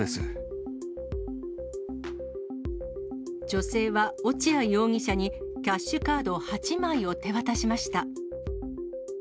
女性は、落合容疑者にキャッシュカード８枚を手渡しました。